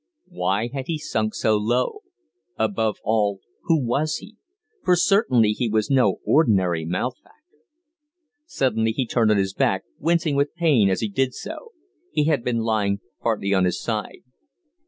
Why had he sunk so low? Above all, who was he? for certainly he was no ordinary malefactor. Suddenly he turned on to his back, wincing with pain as he did so; he had been lying partly on his side.